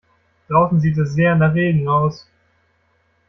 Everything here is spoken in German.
Draußen sieht es sehr nach Regen aus.